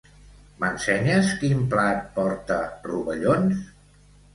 M'ensenyes quin plat porta rovellons?